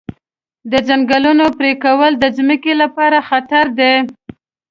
د ځنګلونو پرېکول د ځمکې لپاره خطر دی.